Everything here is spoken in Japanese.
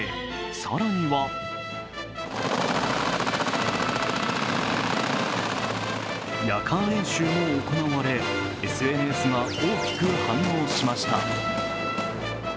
更には夜間演習も行われＳＮＳが大きく反応しました。